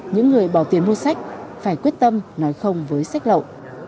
những người bỏ tiền mua sách phải quyết tâm nói không với sách lậu